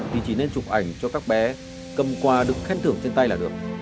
thì chỉ nên chụp ảnh cho các bé cầm quà được khen thưởng trên tay là được